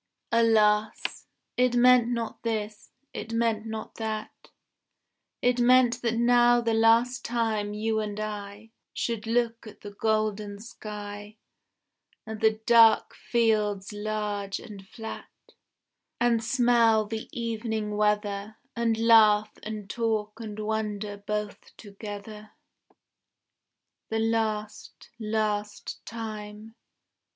Alas! it meant not this, it meant not that: It meant that now the last time you and I Should look at the golden sky, And the dark fields large and flat, And smell the evening weather, And laugh and talk and wonder both together. The last, last time.